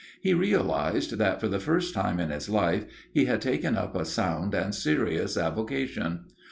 He realized that, for the first time in his life, he had taken up a sound and serious avocation.